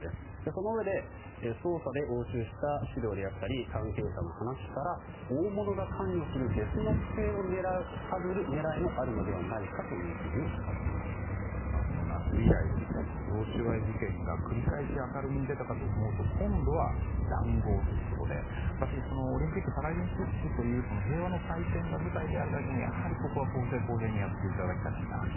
そのうえで捜査で押収した資料であったり関係者の話から大物が関与する別の不正を探る狙いもあるのではないかというふうにこの夏以来、贈収賄事件が明るみになったと思うと今度は談合ということでオリンピック・パラリンピックという平和の祭典が舞台であるだけにここは公正公平にやっていただきたかった。